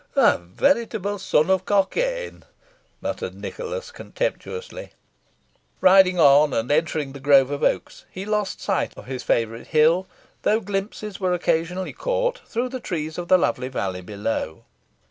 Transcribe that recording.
"A veritable son of Cockayne!" muttered Nicholas, contemptuously. Riding on, and entering the grove of oaks, he lost sight of his favourite hill, though glimpses were occasionally caught through the trees of the lovely valley below.